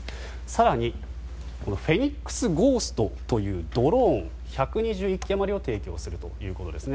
更に、フェニックスゴーストというドローンを１２１基余りを提供するということです。